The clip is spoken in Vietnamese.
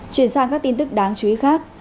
chuyển sang các tin tức đáng chú ý khác